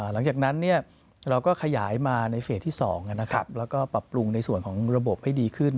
หลังจากนั้นเราก็ขยายมาในเฟสที่๒แล้วก็ปรับปรุงในส่วนของระบบให้ดีขึ้น